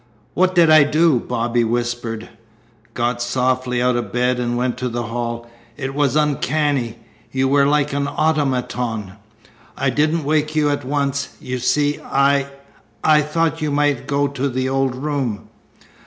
"What did I do?" Bobby whispered. "Got softly out of bed and went to the hall. It was uncanny. You were like an automaton. I didn't wake you at once. You see, I I thought you might go to the old room."